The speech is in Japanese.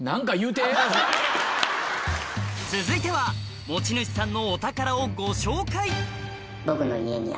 続いては持ち主さんのお宝をご紹介